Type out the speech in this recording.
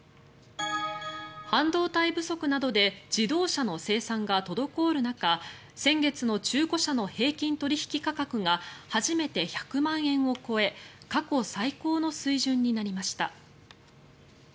半導体不足などで自動車の生産が滞る中先月の中古車の平均取引価格が初めて１００万円を超え過去最高の水準になりました。